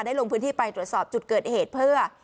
ลงพื้นที่ไปตรวจสอบจุดเกิดเหตุเพื่อ